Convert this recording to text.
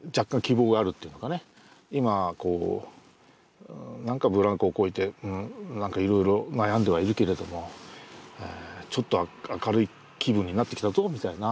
今何かブランコをこいでいろいろ悩んではいるけれどもちょっと明るい気分になってきたぞみたいな